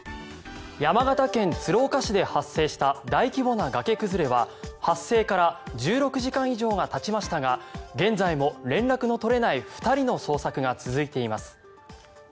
山形県鶴岡市で発生した大規模な崖崩れは発生から１６時間以上がたちましたが現在も連絡の取れない２人の捜索が続いています。